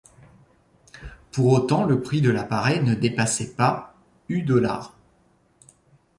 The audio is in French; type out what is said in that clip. Pour autant le prix de l’appareil ne dépassait pas U$.